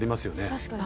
確かに。